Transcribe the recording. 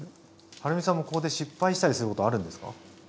はるみさんもここで失敗したりすることあるんですか？